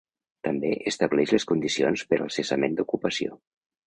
També estableix les condicions per al cessament d'ocupació.